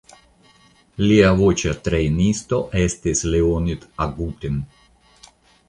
Lia voĉa trejnisto estis Leonid Agutin.